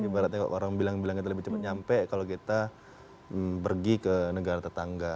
ibaratnya orang bilang bilang kita lebih cepat nyampe kalau kita pergi ke negara tetangga